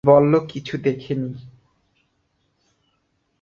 বললো কিছু দেখেনি।